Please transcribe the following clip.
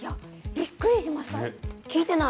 びっくりしました。